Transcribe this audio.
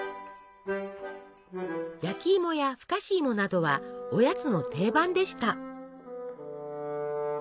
焼きいもやふかしいもなどはおやつの定番でした。